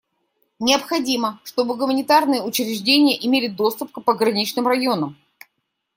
Необходимо, чтобы гуманитарные учреждения имели доступ к пограничным районам.